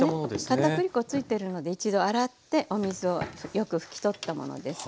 かたくり粉ついてるので一度洗ってお水をよく拭き取ったものです。